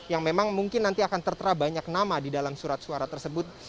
yang memang mungkin nanti akan tertera banyak nama di dalam surat suara tersebut